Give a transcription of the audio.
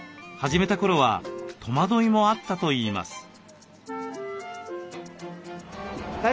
始めた頃は戸惑いもあったといいます。